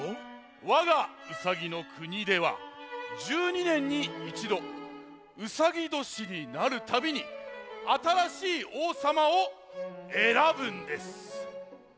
わがウサギのくにでは１２ねんに１どうさぎどしになるたびにあたらしいおうさまをえらぶんです。